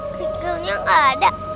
krikilnya gak ada